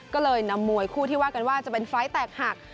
ก็เลยนำมวยคู่ที่ว่ากันว่าจะเป็นไฟล์แตกหัก